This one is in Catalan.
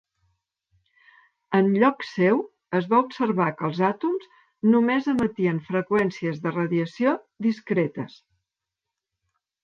En lloc seu, es va observar que els àtoms només emetien freqüències de radiació discretes.